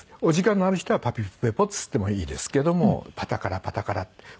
お時間のある人はパピプペポって言ってもいいですけどもパタカラパタカラって。